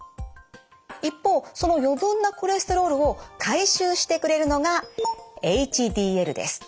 一方その余分なコレステロールを回収してくれるのがＨＤＬです。